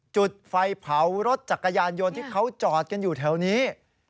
จุดไฟเผารถจักรยานยนต์ที่เขาจอดกันอยู่แถวนี้